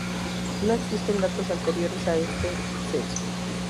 No existen datos anteriores a este censo.